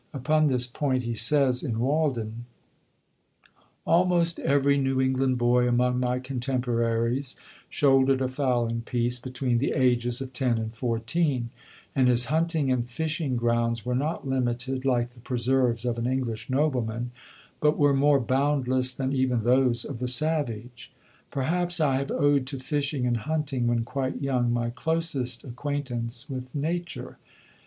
Upon this point he says in "Walden": "Almost every New England boy among my contemporaries shouldered a fowling piece between the ages of ten and fourteen; and his hunting and fishing grounds were not limited, like the preserves of an English nobleman, but were more boundless than even those of the savage. Perhaps I have owed to fishing and hunting, when quite young, my closest acquaintance with Nature.